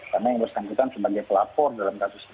karena yang bersangkutan sebagai pelapor dalam kasus ini